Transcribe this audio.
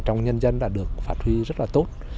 trong nhân dân đã được phát huy rất là tốt